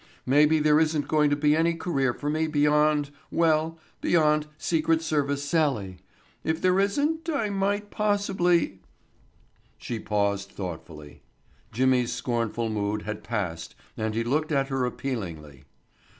Maybe there isn't going to be any career for me beyond—well, beyond 'Secret Service Sallie.' If there isn't I might possibly——" She paused thoughtfully. Jimmy's scornful mood had passed and he looked at her appealingly.